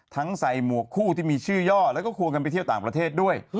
ใส่หมวกคู่ที่มีชื่อย่อแล้วก็ควงกันไปเที่ยวต่างประเทศด้วย